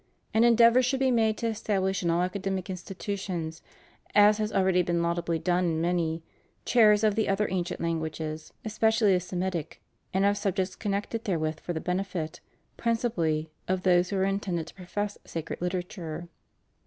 And endeavors should be made to establish in all academic institutions — as has already been laudably done in many — chairs of the other ancient languages, especially the Semitic, and of subjects connected therewith, for the benefit, principally, of those who are intended to profess sacred literature.